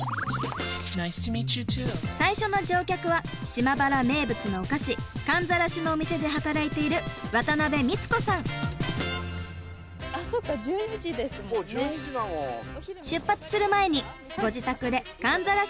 最初の乗客は島原名物のお菓子かんざらしのお店で働いている出発する前にご自宅でかんざらしを見せて頂きましょう。